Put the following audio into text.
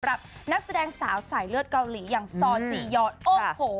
นักแสดงสาวสายเลือดเกาหลีอย่างซอจียอนโอ้โห